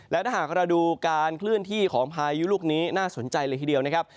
และถ้าหากเราดูการเคลื่อนที่ของพายุลูกนี้น่าสนใจเลยทีเดียวนะครับ